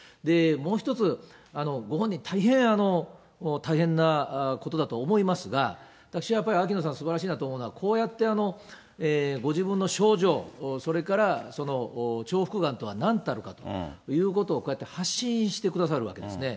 もう一つ、ご本人、大変、大変なことだと思いますが、私はやっぱり、秋野さん、すばらしいなと思うのは、こうやってご自分の症状、それから重複がんとはなんたるかということを発信してくださるわけですね。